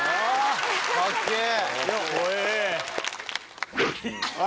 ・かっけぇ！